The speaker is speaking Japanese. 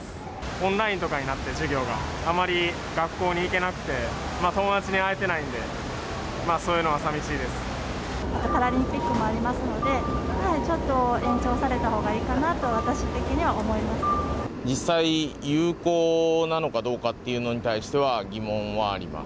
オンラインとかになって、授業が、あまり学校に行けなくて、友達に会えてないんで、パラリンピックもありますので、ちょっと延長されたほうがいいかなと、実際、有効なのかどうかっていうのに対しては、疑問はあります。